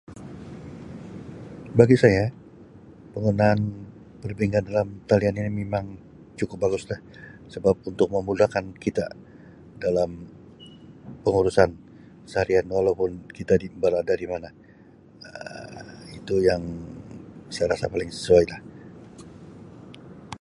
Bagi saya penggunaan perbankan dalam talian ini memang cukup baguslah sebab untuk memudahkan kita dalam pengurusan seharian walaupun kita di berada di mana, Um itu yang saya rasa paling sesuai lah.